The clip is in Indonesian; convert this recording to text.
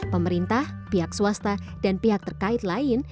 pemerintah pihak swasta dan pihak terkait lain